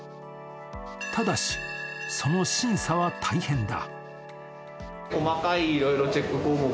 ただし、その審査は大変だ。